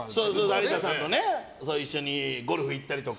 有田さんと一緒にゴルフ行ったりとか。